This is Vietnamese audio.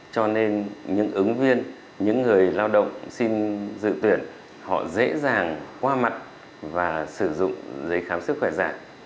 cho nên những ứng viên những người lao động xin dự tuyển họ dễ dàng qua mặt và sử dụng giấy khám sức khỏe dạng